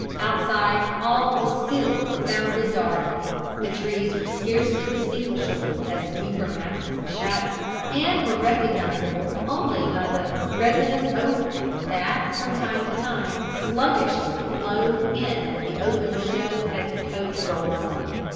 Outside, all was still profoundly dark. The trees were scarcely distinguishable as deeper masses of shadow, and were recognizable only by the resinous odour, that, from time to time, sluggishly flowed in at the open window as the coach rolled on.